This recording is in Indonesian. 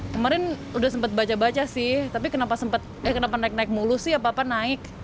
kemarin udah sempat baca baca sih tapi kenapa naik naik mulu sih apa apa naik